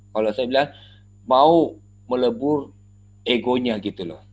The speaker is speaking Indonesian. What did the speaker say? kalau saya bilang mau melebur egonya gitu loh